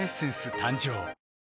誕生